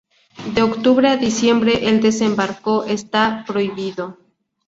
De octubre a diciembre el desembarco está prohibido.